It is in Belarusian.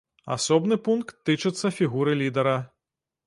Асобны пункт тычыцца фігуры лідара.